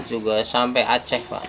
juga sampai aceh